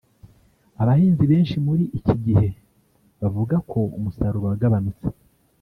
Abahinzi benshi muri iki gihe bavuga ko umusaruro wagabanutse